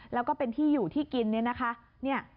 แล้วก็เป็นที่อยู่ที่กินเนี่ยนะคะ